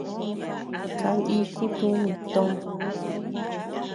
Kaniku tumi tòò.